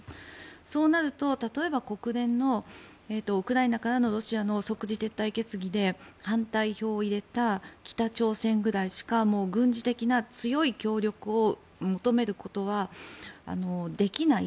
そうなると、例えば国連のウクライナからのロシアの即時撤退決議で反対票を入れた北朝鮮ぐらいしかもう軍事的な強い協力を求めることはできない。